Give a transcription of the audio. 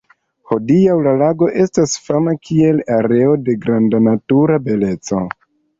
Hodiaŭ la lago estas fama kiel areo de granda natura beleco.